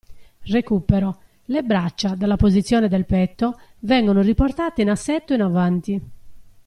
Recupero: le braccia, dalla posizione del petto, vengono riportate in assetto in avanti.